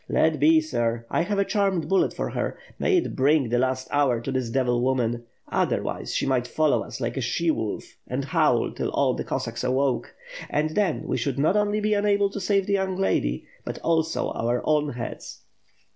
Let be, sir, I have a charmed bullet for her — may it bring the last hour to this devil woman; otherwise she might follow ub WITH FIRE AND SWORD. 647 like a she wolf and howl till all the Cossacks awoke; and then we should not only be unable to save the young lady, but also our own heads.'